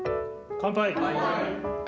乾杯。